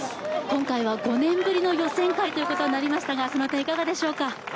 今回は５年ぶりの予選会ということになりましたが、その辺り、いかがでしょうか？